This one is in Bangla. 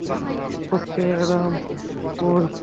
পুচকে অ্যাডাম কই?